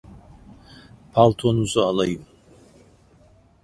Paltonuzu alayım.